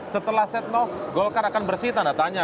setelah set now golkar akan bersih tanda tanya